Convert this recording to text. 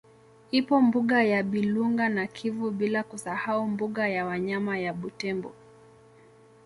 Ipo mbuga ya Bilunga na Kivu bila kusahau mbuga ya wanyama ya Butembo